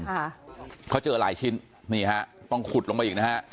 ค่ะเขาเจอหลายชิ้นนี่ฮะต้องขุดลงไปอีกนะฮะ